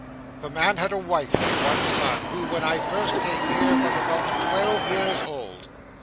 'This man had a wife and one son, who, when I first came here, was about twelve years old.